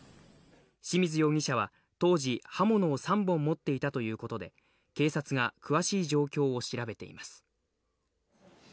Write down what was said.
清水容疑者は当時、刃物を３本持っていたということで、警察が詳しい状況を調べています。